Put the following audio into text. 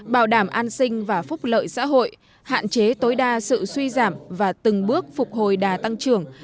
bảo đảm an sinh và phúc lợi xã hội hạn chế tối đa sự suy giảm và từng bước phục hồi đà tăng trưởng